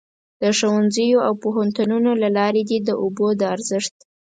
د ښوونځیو او پوهنتونونو له لارې دې د اوبو د ارزښت.